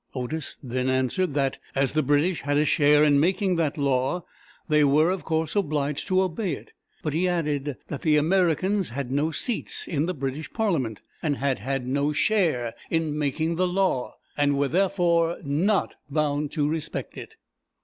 Otis then answered that, as the British had a share in making that law, they were, of course, obliged to obey it. But he added that the Americans had no seats in the British Par´lia ment, had had no share in making the law, and were therefore not bound to respect it.